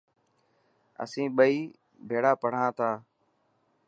اسين ٻئي ڀيڙا پڙهان ٿا.